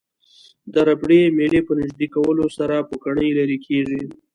د ربړي میلې په نژدې کولو سره پوکڼۍ لرې کیږي.